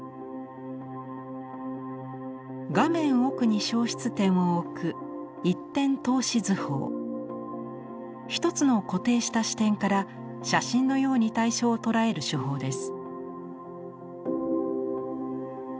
画面奥に消失点を置く一つの固定した視点から写真のように対象を捉える手法です。